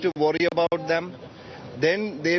tidak perlu khawatir tentang mereka